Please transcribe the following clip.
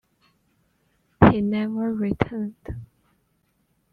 He never returned.